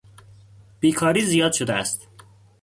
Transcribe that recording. بیکاری زیاد شده است.